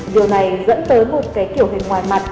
điều này dẫn tới một kiểu hình ngoài mặt